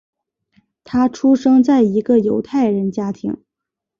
他出生在一个犹太人家庭。